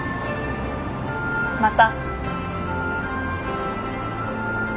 また。